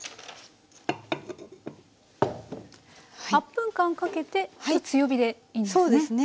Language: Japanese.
８分間かけて強火でいいんですね。